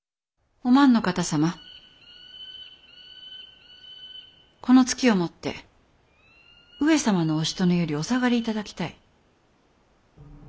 お万の方様この月をもって上様のおしとねよりお下がり頂きたい。